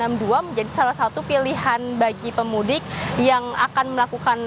jam dua menjadi salah satu pilihan bagi pemudik yang akan melakukan